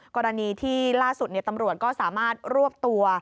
กรณีที่ล่าสุดตำรวจก็สามารถรวบตัว